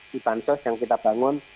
di bansos yang kita bangun